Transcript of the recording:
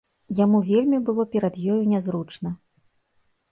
Яму вельмі было перад ёю нязручна.